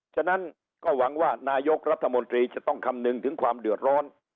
ฉะนั้นก็หวังว่านายกรัฐมนตรีจะต้องคำนึงถึงความเดือดร้อน